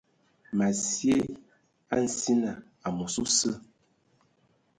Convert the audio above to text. Ma sye a nsina amos osə.